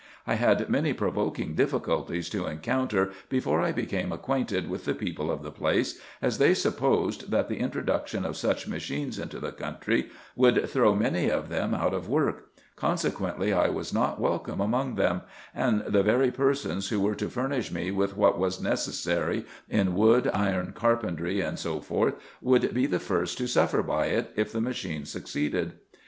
I had many provoking difficulties to encounter, before I became acquainted with the people of the place, as they supposed, that the introduction of such machines into the country woidd throw many of them out of work ; consequently I was not welcome among them ; and the very persons who were to furnish me with what was necessary in wood, iron, carpentry, &c. would be the first to suffer by it, if the machine succeeded.